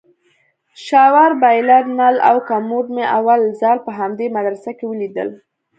شاور بايلر نل او کموډ مې اول ځل په همدې مدرسه کښې وليدل.